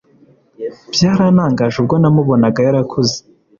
byarantangaje ubwo namubonaga yarakuze